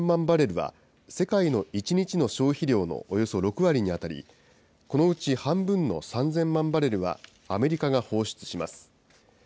バレルは、世界の１日の消費量のおよそ６割に当たり、このうち半分の３０００万バレルは、アメリカが放出します。